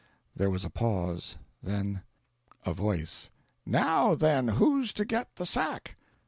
There was a pause; then A Voice. "Now, then, who's to get the sack?"